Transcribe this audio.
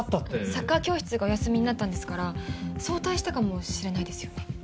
サッカー教室がお休みになったんですから早退したかもしれないですよね。